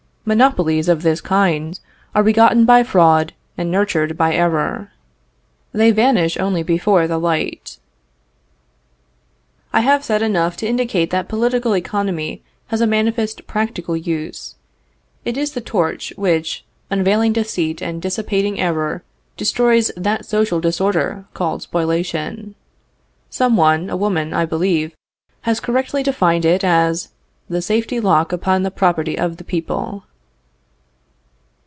Monopolies of this kind are begotten by fraud and nurtured by error. They vanish only before the light. I have said enough to indicate that political economy has a manifest practical use. It is the torch which, unveiling deceit and dissipating error, destroys that social disorder called spoliation. Some one, a woman I believe, has correctly defined it as "the safety lock upon the property of the people."